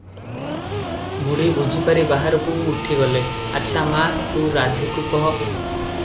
ବୁଢ଼ୀ ବୁଝିପାରି ବାହାରକୁ ଉଠିଗଲେ - "ଆଚ୍ଛା ମା, ତୁ ରାଧୀକୁ କହ ।"